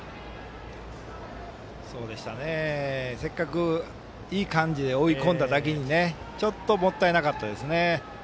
せっかくいい感じで追い込んだだけにちょっともったいなかったですね。